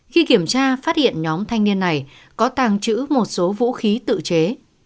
khi kiểm tra phát hiện nhóm thanh niên này có tàng trữ một số vũ khí tự chế